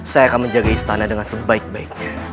saya akan menjaga istana dengan sebaik baiknya